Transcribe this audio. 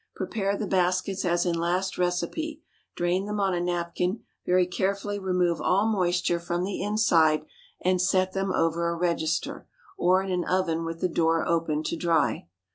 Prepare the baskets as in last recipe, drain them on a napkin, very carefully remove all moisture from the inside, and set them over a register, or in an oven with the door open, to dry.